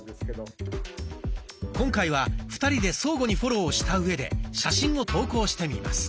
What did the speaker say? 今回は２人で相互にフォローをしたうえで写真を投稿してみます。